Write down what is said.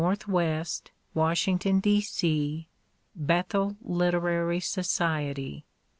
W., Washington, B. C. Bethel Literary Society.